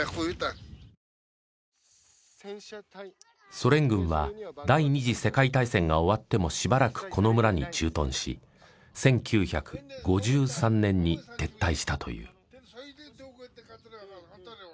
ソ連軍は第二次世界大戦が終わってもしばらくこの村に駐屯し１９５３年に撤退したという。